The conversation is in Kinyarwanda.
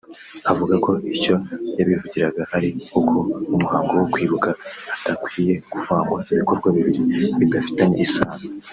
Avuga ko icyo yabivugiraga ari uko mu muhango wo kwibuka hadakwiye kuvangwa ibikorwa bibiri bidafitanye isano